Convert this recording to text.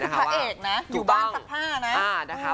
นี่คือเผช์เอกอยู่บ้านสัตว์ผ้า